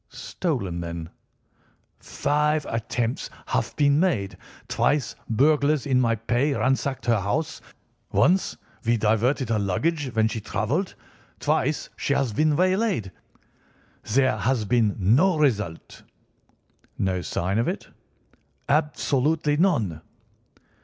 "Stolen, then." "Five attempts have been made. Twice burglars in my pay ransacked her house. Once we diverted her luggage when she travelled. Twice she has been waylaid. There has been no result." "No sign of it?" "Absolutely none."